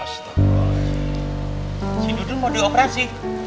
si dudun mau dioperasi